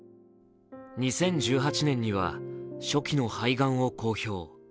２０１８年には、初期の肺がんを公表。